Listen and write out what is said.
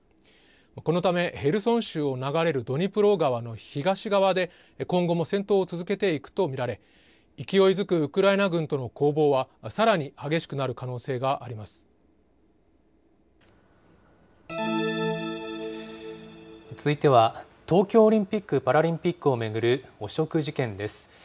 このため、ヘルソン州を流れるドニプロ川の東側で今後も戦闘を続けていくと見られ、勢いづくウクライナ軍との攻防はさらに激しくなる可能性がありま続いては、東京オリンピック・パラリンピックを巡る汚職事件です。